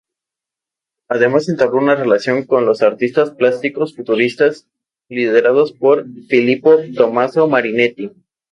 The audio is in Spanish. Además entabló una relación con los artistas plásticos futuristas, liderados por Filippo Tommaso Marinetti.